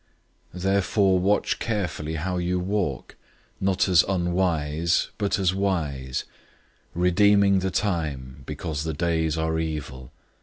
005:015 Therefore watch carefully how you walk, not as unwise, but as wise; 005:016 redeeming the time, because the days are evil.